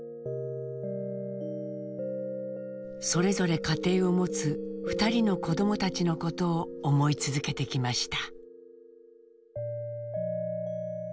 それぞれ家庭を持つ２人の子どもたちのことを思い続けてきました。